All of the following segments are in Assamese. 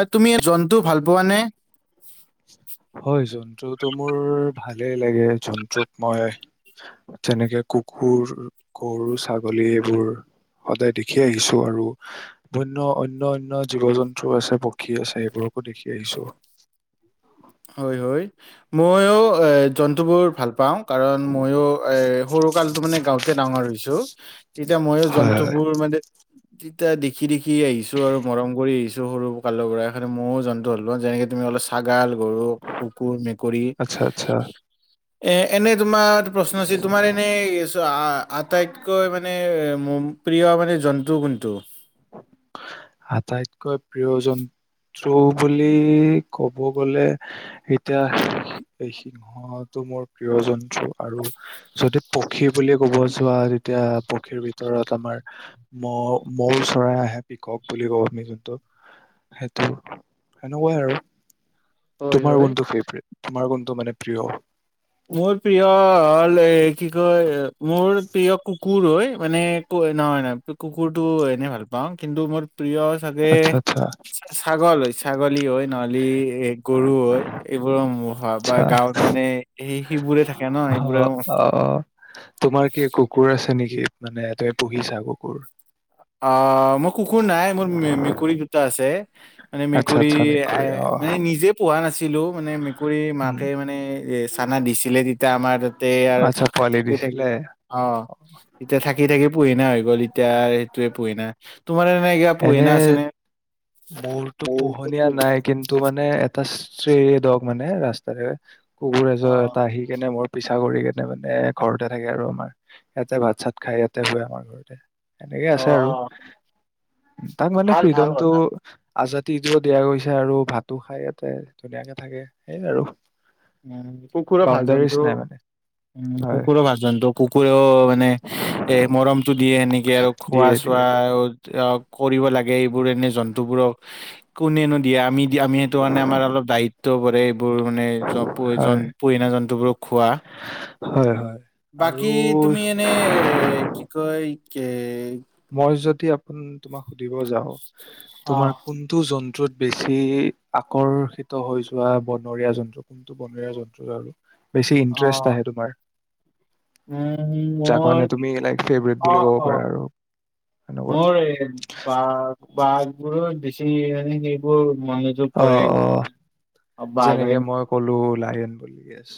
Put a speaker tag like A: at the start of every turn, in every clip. A: এ তুমি জন্তু ভাল পোৱা নে?
B: হয়। জন্তুটো মোৰ ভালেই লাগে, জন্তুক মই তেনেকে কুকুৰ গৰু ছাগলী এইবোৰ। সদায় দেখি আহিছো আৰু অন্য অন্য অন্য জীৱ জন্তু আছে পক্ষী আছে সেইবোৰকো দেখি আহিছো।
A: হয়, হয়। মইও জন্তু বোৰ ভাল পাওঁ। কাৰণ মইও এ সৰু কালতো মানে গাওঁতে ডাঙৰ হৈছো। তেতিয়া মইও
B: হয় হয়,
A: জন্তুবোৰ মানে তিয়া দেখি দেখি আহিছো আৰু মৰম কৰি আহিছো সৰু কালৰ পৰা, সেই কাৰণে মইয়ো জন্তু হ'লো। যেনেকে তুমি অলপ ছাগাল গৰু কুকুৰ মেকুৰী
B: আচ্ছা আচ্ছা।
A: এ এনেই তোমাৰ প্ৰশ্ন আছিল তোমাৰ এনেই আটাইতকৈ মানে ম এ মোৰ প্ৰিয় মানে জন্তু কোনটো?
B: আটাইতকৈ প্ৰিয় জন্তু বুলি ক'ব গ'লে এতিয়া এইখি মহটো মোৰ প্ৰিয় জন্তু, আৰু যদি পক্ষী বুলিয়ে ক'ব যোৱা তেতিয়া পক্ষীৰ ভিতৰত আমাৰ ম মৌ চৰাই আহে। পিকক বুলি কওঁ আমি যোনটো সেইটো, সেনেকুৱাই আৰু।
A: হয়
B: তোমাৰ
A: হয়
B: কোনটো ফে'ভৰেট মানে তোমাৰ কোনটো প্ৰিয়?
A: মোৰ প্ৰিয় হ'ল এ কি কয় মোৰ প্ৰিয় কুুক কুৰ হয় মানে, নহয় নহয় কুকুৰটো এনেই ভাল পাওঁ। কিন্তু মোৰ প্ৰিয় চাগে
B: আচ্ছা আচ্ছা
A: ছাগল হয় ছাগলী হয় নহ'লে এ গৰু হয়। এইবোৰৰ মোৰ হয়। বা গাঁৱত মানে সেই সেইবোৰে থাকে ন
B: হ,
A: সেইবোৰে
B: অ',। অ', তোমাৰ কি কুকুৰ আছে নেকি? মানে তুমি পুহিছা কুকুৰ?
A: অ', মোৰ কুকুৰ নাই মোৰ মে মেকুৰী দুটা আছে। মানে
B: আচ্ছা
A: মেকুৰী
B: আচ্ছা
A: এ
B: মেকুৰী অ
A: মানে নিজে পোহা নাছিলো, মানে মেকুৰী
B: উম
A: মাকে মানে চানা দিছিলে যেতিয়া আমাৰ তাতে আৰু
B: আচ্ছা,
A: থাক
B: পোৱালি
A: থাকি থাকি
B: দিছিলে?
A: অ', এতিয়া থাকি থাকি পোহিনা হৈ গ'ল এতিয়া সেইটোয়ে পুহিনা। তোমাৰ এনে কিবা
B: এনে
A: পোহিনা আছে নে?
B: এইটো মানে এটা ষ্টেৰি ড'গ মানে ৰাস্তাৰে কুকুৰ
A: অ
B: এটা য'ত আহি কেনে মোৰ পিছা কৰি কেনে মানে ঘৰতে থাকে আৰু আমাৰ, ইয়াতে ভাত চাত খাই ইয়াতে শুৱে আমাৰ ঘৰতে। এনেকে
A: অ অ
B: আছে আৰু, তাত মানে
A: ভাল ভাল
B: ফ্ৰীডমটো
A: কথা
B: আজাদিটোও দিয়া গৈছে আৰু ভাতো খাই ইয়াতে ধুনীয়াকে থাকে, সেই আৰু।
A: উম', কুকুৰো ভাল
B: বাউণ্ডাৰীজ
A: জন্তু।
B: নাই মানে হয়
A: কুকুৰো ভাল জন্তু, কুকুৰেও মানে এ, মৰমতটো দিয়ে সেনেকে আৰু,
B: দিয়ে
A: খোৱা-
B: দিয়ে
A: চোৱা
B: দিয়ে
A: আৰু অ', কৰিব লাগে এইবোৰ এনে জন্তুবোৰক কোনেনো দিয়ে, আমি আমি সেইটো কাৰণে আমাৰ অলপ দায়িত্ব পৰে। এইবোৰ মানে চব প্ৰয়োজন
B: হয়
A: পুৰণা জন্তুবোৰক খোৱা।
B: হয় হয় আৰু
A: বাকী? তুমি এনে এ, কি কয় এ-
B: মই যদি আপু তোমাক সুধিব যাওঁ,
A: অ
B: তোমাৰ কোন- টোত জন্তুত বেছি আকৰ্ষিত হৈ যোৱা বনৰীয়া জন্তু? কোনটো বনৰীয়া জন্তুৰ পৰা বেছি
A: অ
B: ইন্টাৰেষ্ট আহে, তোমাৰ?
A: উম,
B: যাক
A: মোৰ
B: মানে তুমি এনে ফেভৰেট বুলি ক'ব পাৰা আৰু। সেনেকুৱা
A: মই - বা বাঘ বোৰক বেছি মানে সেইবোৰ - য'ত
B: অ
A: পৰে বাঘ-
B: হলো লায়ন বিগেছ।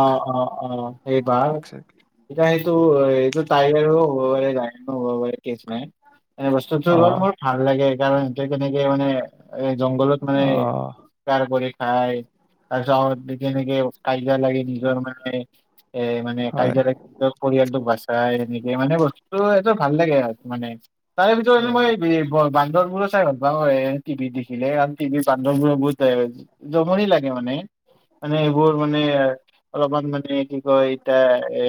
A: অঁ, অঁ, অঁ, সেই বাঘ!
B: একজেক্টলি
A: এতিয়া এইটোৰ এইটো টাইগাৰো হেৰি নাই, কেচ নাই। এনে বস্তুটো হ'ল
B: অ',
A: মোৰ ভাল লাগে। কাৰণ কেনেকে মানে এ জংঘলত মানে-
B: অ',
A: চিকাৰ কৰি খায়। তাৰপিছত কেনেকে কা- জিয়া লাগে নিজৰ মানে, এ মানে
B: হয়।
A: কাজিয়া লাগিলেও- পৰিয়ালটোক বাচাই এনেকে মানে বস্তু এইটো ভাল লাগে আৰু মানে। তাৰে ভিতৰতো
B: হয়,
A: মই- বান্দৰবোৰো চাই ভাল পাওঁ এ টিভিত দেখিলে। কাৰণ টিভি বান্দবোৰো বহুত- জমনি লাগে মানে, মানে সেইবোৰ মানে- অলপমান মানে কি কয়! এতিয়া- এ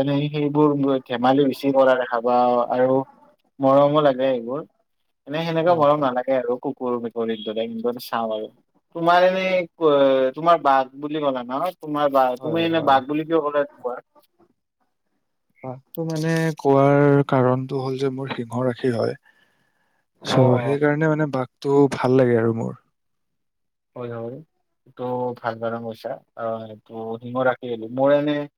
A: এনে সেইবোৰ ধেমালি বেচি কৰা দেখা পাওঁ আৰু- মৰমো লাগে এইবোৰ মানে
B: হয়,
A: সেনেকুৱা
B: হয়,
A: নালাগে আৰু কুকুৰ, মেকুৰীৰ দৰে। কিন্তু- চাওঁ বাৰু। তোমাৰ এনেই, তোমাৰ বাঘ বুলি ক'লা নহয়? তোমাৰ বাঘ, তুমি
B: হয়,
A: এনে
B: হয়।
A: বাঘ বুলি কিয় ক'লে?
B: বাঘটো মানে কোৱাৰ কাৰণটো হ'ল যে মোৰ সিংহ ৰাখি হয়।
A: অ
B: চ
A: অ
B: সেইকাৰণে মানে বাঘটো ভাল লাগে আৰু মোৰ।
A: হয়, হয়। টো ভাল বাৰু কৈছা আৰু সেইটো সিংহ ৰাখি। মোৰ এনে-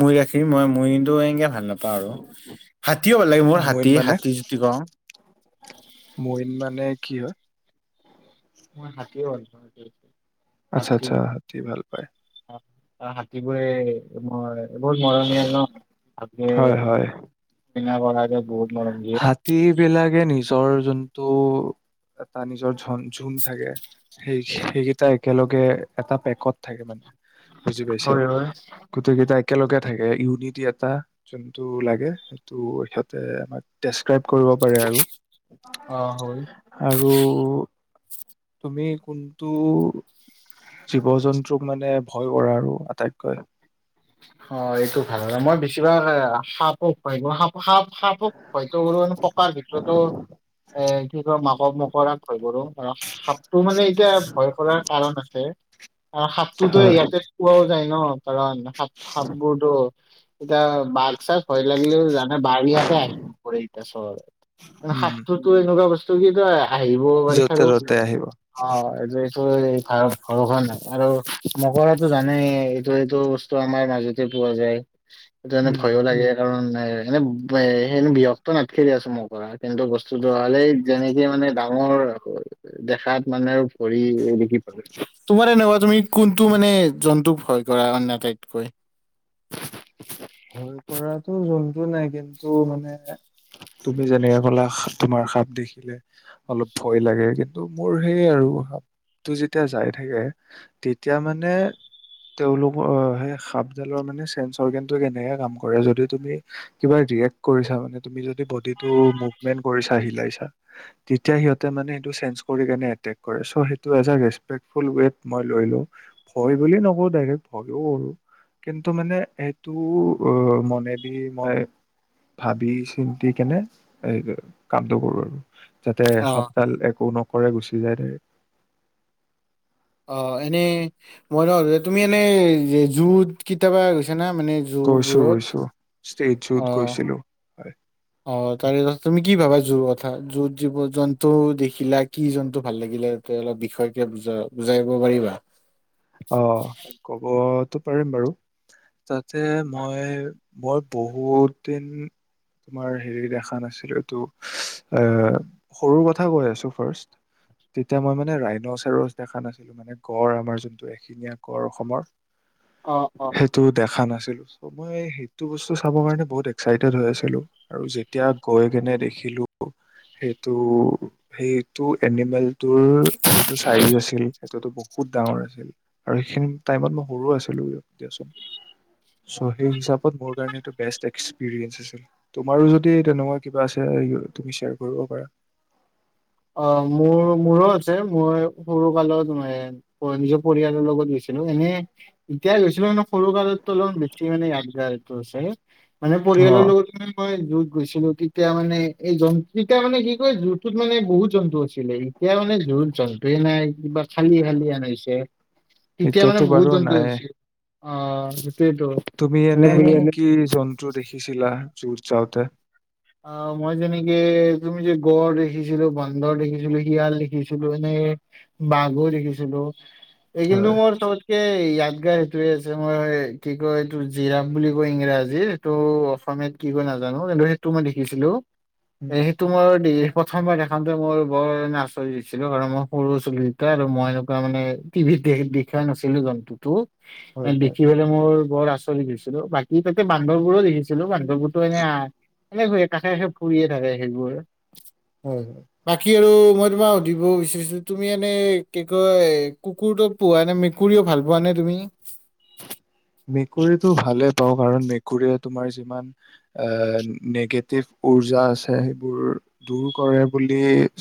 A: মই ৰাখিম, মই মই কিন্তু এনেকে ভাল নাপাওঁ। বাৰু, হাতীও ভাল লাগে মোৰ
B: মইন
A: হাতী
B: মানে
A: -হাতী যদি কওঁ।
B: মইন মানে কি হয়?
A: মই হাতীও হয়।
B: আচ্ছা, আচ্ছা হাতী ভাল পায়।
A: হাতীবোৰে মই বহুত মৰমীয়াল ন
B: হয়,
A: হাতী?
B: হয়।
A: [unintelligible]
B: হাতী - বিলাকে নিজৰ যোনটো এটা নিজৰ ঝুন ঝুম থাকে। সেই সেইকেইটা একেলগে এটা পেকত থাকে, বুজি পাইছে?
A: হয় হয়
B: গোটেইকেইটা একেলগে থাকে। ইউনিটি এটা যোনটো লাগে সেইটো সিহঁতে আমাক- ডেচক্ৰাইব কৰিব পাৰে আৰু?
A: অ হয়
B: আৰু- তুমি কোনটো- জীৱ জন্তুক মানে ভয় কৰা আৰু আটাইতকৈ?
A: অঁ, এইটো ভাল ন। মই বেছিভাগ সাপক- হয়, সাপ -সাপ হয়তো পকাৰ ভিতৰতো- এ কি কয় মাকক মকৰাক ভয় কৰোঁ। সাপটো মানে এতিয়া ভয় কৰাৰ কাৰণ আছে। আৰু সাপটোতো
B: হয়
A: ইয়াতে পোৱাও যায় ন কাৰণ সাপ সাপবোৰটো, এতিয়া বাঘ চাঘ ভয় লাগিলে জান বাৰীয়াতে আহি পৰে। [unintelligible] মানে
B: উম
A: সাপতোটো এনেকুৱা বস্তু কিতো আহিবও পাৰি আৰু
B: দুটাই আহিব।
A: অ এইটো এইটো ভত ভৰসা নকৰো আৰু মকৰাতো জানেই এইটো এইটো বস্তু আমাৰ মাজতে পোৱা যায় সেইটো কাৰণে
B: উম
A: ভয়ো লাগে কাৰণ এ এনে এ স বিষাক্ত নাথাকে দিয়াছোন মকৰাত কিন্তু বস্তুটো হল এই যেনেকে মানে ডাঙৰ দেখাত মানে আৰু ভৰি দেখি পালো তোমাৰ এনেকুৱা তুমি কোনটো মানে জন্তুক ভয় কৰা অটাইতকৈ?
B: ভয় কৰাটো জন্তু নাই কিন্তু মানে তুমি যেনেকে কলা তোমাৰ সাপ দেখিলে অলপ ভয় লাগে কিন্তু মোৰ সেই আৰু সাপটো যেতিয়া যাই থাকে তেতিয়া মানে তেওঁলোকৰ সেই সাপডালৰ মানে চেঞ্জ অৰগেন টো কেনেকে কাম কৰে যদি তুমি কিবা ৰিয়েক্ট কৰিছা মানে তুমি যদি বডিটো মুভমেণ্ট কৰিছা হিলাইছা তেতিয়া সিহঁতে মানে সেইটো চেন্স কৰিকিনে এতেক কৰে চ' সেইটো এজ এ ৰেষ্টপেক্টফুল ৱেত মই লৈ লও ভয় বুলি নকৌ ডাইৰেক্ ভয়ও কৰো কিন্তু মানে টো অ মনে দি মই ভাবি চিন্তি কেনে এই কামটো কৰো আৰু যাতে
A: অ',
B: সাপডাল একো নকৰে গুচি যায় দে
A: অ এনেই মই ভাবো তুমি এনে জুত কেতিয়াবা গৈছা নে মানে জো
B: গৈছোঁ
A: বোৰত
B: গৈছোঁ ষ্টেজত
A: অ
B: গৈছিলোঁ
A: অ তাৰেপিছত তুমি কি ভাবা জোৰ কথা জোৰ জীৱ জন্তু দেখিলা কি জন্তু ভাল লাগিলে তে বিষয় কে অলপ বুজাই কব পাৰিবা
B: অ কবতো পাৰিম বাৰু তাতে মই মই বহুত দিন তোমাৰ হেৰি দেখা নাছিলো টো এ সৰুৰ কথা কৈ আছো ৰ্ফাষ্ট তেতিয়া মই মানে ৰাইন চেৰছ দেখা নাছিলো মানে গড় আমাৰ যোন এশিঙীয়া গড় অসমৰ
A: অ', অ'।
B: সেইটো দেখা নাছিলো ত মই সেইটো বস্তু চাব কাৰণে বহুত এক্সাইটেড হৈ আছিলো আৰু যেতিয়া গৈ কিনে দেখিলো সেইটো সেইটো এনিমেলটোৰ যোনটো চাইজ আছিল সেইটোতো বহুত ডাঙৰ আছিল। আৰু সেইখিনি টাইমত মই সৰু আছিলো দিয়াচোন। চ' সেই হিচাপত মোৰ কাৰণে এইটো বেষ্ট এক্সপিৰিয়েঞ্চ আছিল। তুমাৰো যদি তেনেকুৱা কিবা আছে তুমি শ্বেয়াৰ কৰিব পাৰা।
A: অ মোৰ মোৰো আছে মই সৰু কালত মে অ, নিজৰ পৰিয়ালৰ লগত গৈছিলো এনে এতিয়া গৈছিলো মানে সৰু কালতো অলপমান বেছি মানে য়াদগাৰটো আছে। মানে পৰিয়ালৰ
B: অ'
A: লগত মানে মই জোৰত গৈছিলো তেতিয়া মানে এই জন্ত তেতিয়া মানে কি কয় জুতটোত মানে বহুত জন্তু আছিলে এতিয়া মানে জ জন্তুৱে নাই কিবা খালি খালি হেন হৈছে তেতিয়া মানে
B: এতিয়াতো
A: বহুত
B: বাৰু
A: জন্তু
B: নাই।
A: অ, সেইটোৱে টো।
B: তুমি এনে কি কি জন্তু দেখিছিলা যুত যাওঁতে।
A: অ, মই যেনেকে তুমি যে গড় দেখিছিলো বানদৰ দেখিছিলো শিয়াল দেখি দেখিছিলো এনেকে বাঘ ও দেখিছিলো এই কিন্তু
B: হয়।
A: মোৰ চবত কে এই ইয়াদ গাৰ সেইটোৱে আছে মই কি কয় এইটো জিৰাফ বুলি কয় ইংৰাজীৰ ত', অসমীয়াত কি কয় নাজানো কিন্তু মই সেইটো দেখিছিলো
B: উম,
A: এই তুমাৰ দে, প্ৰথমবাৰ দেখাওতে মইয়ো বৰ আচৰিত হৈছিলোঁ। কাৰণ মই সৰু আছিলোঁ। আৰু মই তাৰমানে টিভিত দে-দেখা নাছিলোঁ জন্তুতো।
B: হয়, হয়,
A: দেখি পে মোৰ বৰ আচৰিত হৈছিলোঁ। বাকি তাতে বান্দৰবোৰো লিখিছিলোঁ, বান্দৰবোৰতো এনে এনেকয়ে কাষে, কাষে ফুৰিয়ে থাকে সেইবোৰ।
B: হয়।
A: বাকী আৰু মই তোমাক সুধিব বিচাৰিছোঁ, তুমি এনে কি কয় কুকুৰটোক পোৱা নে মেকুৰীও ভাল পোৱা নে তুমি?
B: মেকুৰীটো ভালে পাওঁ, কাৰণ মেকুৰীয়ে তোমাৰ যিমান আ, নিগেটিভ উৰ্জা আছে সেইবোৰ দুৰ কৰে বুলি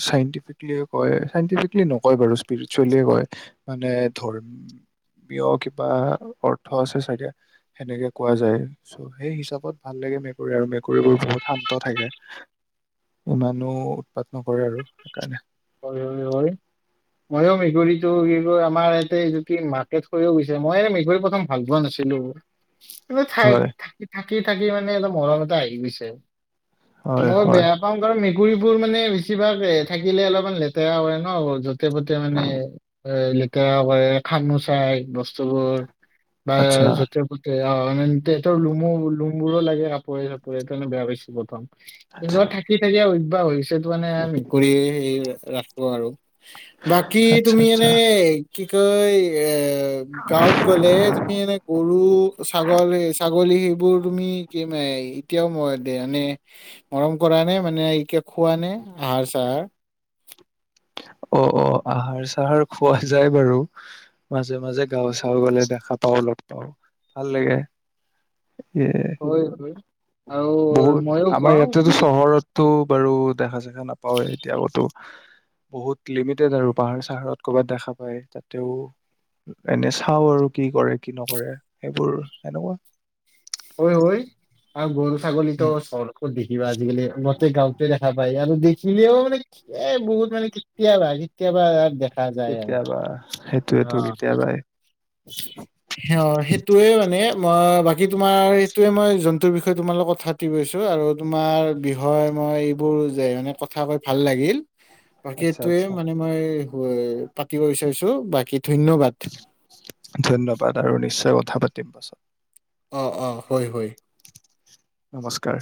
B: চাইনটিফিকলিয়ে কয়, চাইঅন্টোফিকলি নকয় বাৰু স্পিৰিচুৱেলিয়ে কয়। মানে ধৰ্মীয় কিবা অৰ্থ আছে চাগে। সেনেকে কোৱা যায়। চ' সেই হিচাপত ভাল লাগে মেকুৰী, আৰু মেকুৰীবোৰ বহুত শান্ত থাকে। ইমানো উৎপাত নকৰে আৰু, সেইকাৰণে।
A: হয়, হয়, হয়। মইও মেকুৰীটো কি কয় আমাৰ ইয়াতে এইটো কি মাৰ্কেট হৈও গৈছে। মই এ, মেকুৰি প্ৰথম ভাল পোৱা নাছিলোঁ। কিবা
B: হয়
A: থা-থাকি, থাকি, থাকি মানে অলপ মৰম এটা আহি গৈছে।
B: হয়
A: মই
B: হয়
A: বেয়া পাও কাৰন মেকুৰীবোৰ মানে বেছিভাগ এ, থাকিলে অলপ ইমান লেতেৰা হয় ন' যতে পতে মানে এ, লেতেৰা হয়। খামোচাই বস্ত স্তু বোৰ বা
B: আচ্ছা
A: যতে ত তে তেহেতৰ লোমো লোম বোৰো লাগে কাপোৰে-চাপোৰে ত' মানে বেয়া পাইছিলোঁ প্ৰথমতে। কিন্ত
B: আচ্ছা
A: থাকি, থাকি অভ্যাস হৈ গৈছে, সেইতো কাৰণে মেকুৰী হেৰি ৰাখোঁ আৰু। বাকী
B: আচ্ছা
A: তুমি
B: আচ্ছা
A: এনেই কি কয় এ এ, গাঁৱত গ'লে তুমি এনে গৰু, ছাগলী ছাগ গলি সেইবোৰ তুমি কি মে এতিয়াও মই দে নে মৰম কৰা নে? মানে এইকে খোৱা নে আহাৰ চাহাৰ?
B: অ', অ', আহাৰ চাহাৰ খোৱা যায় বাৰু। মাজে, মাজে গাঁও চাওঁ গলে দেখা পাওঁ, লগ পাওঁ ভাল লাগে। ইয়ে
A: হয়, হয়। আৰু
B: বহুত
A: ময়ো
B: আমাৰ
A: খুৱাও
B: ইয়াতেতো চহৰতটো বাৰু দেখা চেখা নাপাওেই এতিয়াওতো বহুত লিমিটেড আৰু পাহাৰ চাহাৰত ক'ৰবাত দেখা পায়। তাতেও এনে চাওঁ আৰু কি কৰে কি নকৰে, সেইবোৰ সেনেকুৱা।
A: হয়, হয়। আৰু গৰু ছাগলীটো
B: উম,
A: চহৰ ক'ত দেখিবা আজিকালি গওঁতে গাঁওঁতে দেখা পায় আৰু দেখিলেও মানে এ, বহুত মানে কেতিয়াবা কেতিয়াবা দেখ
B: কেতিয়াবা, সেইটোয়টো কেতিয়াবাই।
A: অ', সেইটোয়ে মানে মই বাকী তোমাৰ সেইটোয়ে, মই জন্তুৰ বিষয়ে তোমাল লগত কথা টি গৈছোঁ, আৰু তোমাৰ বিষয় মই এইবোৰ যে মানে কথা কৈ ভাল লাগিল। বাকী
B: আচ্ছা
A: এইটোয়ে
B: আচ্ছা
A: মানে মই পাতিব বিচাৰিছোঁ, বাকী ধন্যবাদ।
B: ধন্যবাদ আৰু নিশ্চয় কথা পাতিম পাছত।
A: অ', অ', হয়, হয়।
B: নমস্কাৰ।